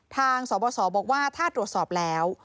ทางสบสบอกว่าถ้าตรวจสอบแล้ว